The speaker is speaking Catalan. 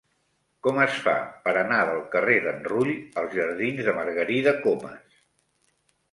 Com es fa per anar del carrer d'en Rull als jardins de Margarida Comas?